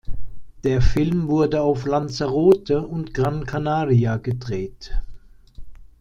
Der Film wurde auf Lanzarote und Gran Canaria gedreht.